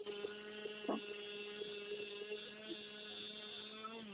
rais Kenyatta kwa kuhakikisha amani na uthabiti vimepatikana wakati wa uchaguzi ulifurahishwa na amani